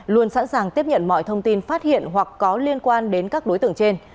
luôn sẵn sàng tiếp nhận mọi thông tin phát hiện hoặc có liên quan đến các đối tượng trên